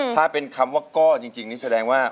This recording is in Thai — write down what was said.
ถ้าเป็นคำว่าก้อจริงนี่แสดงว่า